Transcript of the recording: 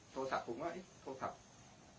โทรศัพท์ผมว่าโทรศัพท์